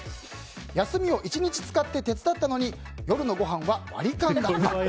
休みを１日使って手伝ったのに夜のごはんは割り勘だった。